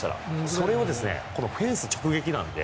それをフェンス直撃なので。